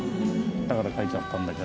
だから書いちゃったんだけど。